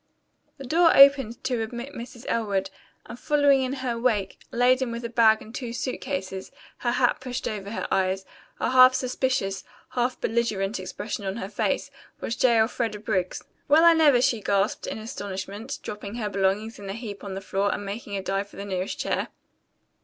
The door opened to admit Mrs. Elwood, and following in her wake, laden with a bag and two suit cases, her hat pushed over her eyes, a half suspicious, half belligerent expression on her face, was J. Elfreda Briggs. "Well I never!" she gasped in astonishment, dropping her belongings in a heap on the floor and making a dive for the nearest chair.